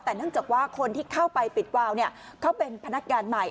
แต่เนื่องจากว่าคนที่เข้าไปปิดวาวเขาเป็นพนักงานใหม่